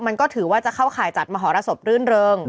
มันก็ถือว่าจะเข้าข่ายจัดมหรสบรื่นเริง